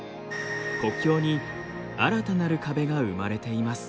国境に新たなる壁が生まれています。